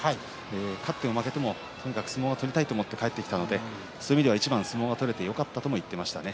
勝っても負けてもとにかく相撲は取りたいと思って帰ってきたのでそういう意味では一番相撲が取れてよかったと言ってました。